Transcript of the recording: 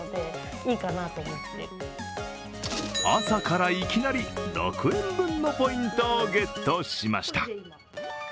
朝からいきなり６円分のポイントをゲットしました。